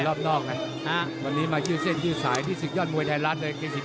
ต่อยรอบนอกนะวันนี้มาชื่อนี่สายที่ศึกยอดมวยศรีไตรารัสเลย